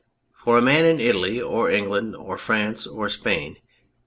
For a man in Italy, or England, or France, or Spain, if.